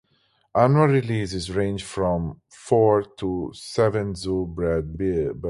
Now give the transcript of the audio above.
Annual releases range from four to seven zoo-bred birds.